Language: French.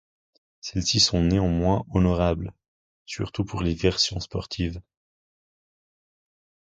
Celles-ci sont néanmoins honorables, surtout pour les versions sportives.